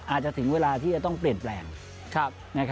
ถึงเวลาที่จะต้องเปลี่ยนแปลง